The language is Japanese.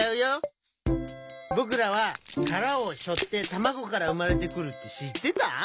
ぼくらはからをしょってたまごからうまれてくるってしってた？